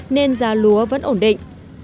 nên giá lúa vẫn ổn định